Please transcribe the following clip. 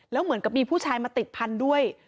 แล้วเหมือนกับมีผู้ชายมาติดพันธุ์ด้วย